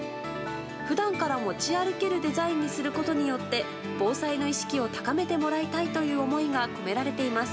普段から持ち歩けるデザインにすることによって防災の意識を高めてもらいたいという思いが込められています。